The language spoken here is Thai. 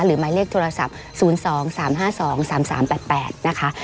หมายเลขโทรศัพท์๐๒๓๕๒๓๓๘๘นะคะ